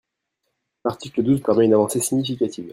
L’article douze permet une avancée significative.